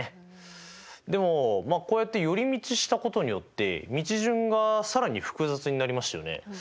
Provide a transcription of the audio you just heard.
でもこうやって寄り道したことによって道順が更に複雑になりましたよね。